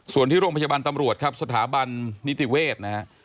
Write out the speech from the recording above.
ส่วนที่โรงพยาบาลตำรวจครับสถาบันนิติเวศนะฮะ